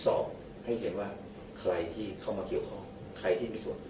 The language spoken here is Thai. สอบให้เห็นว่าใครที่เข้ามาคิดว่าใครใครที่มีส่วน